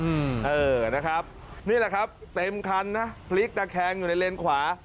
อืมเออนะครับนี่แหละครับเต็มคันนะพลิกตะแคงอยู่ในเลนขวา